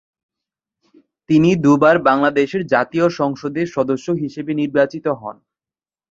তিনি দু’বার বাংলাদেশের জাতীয় সংসদের সদস্য হিসেবে নির্বাচিত হন।